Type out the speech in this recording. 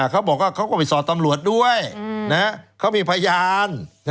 เขาบอกว่าเขาก็ไปสอดตำรวจด้วยเขามีพยาน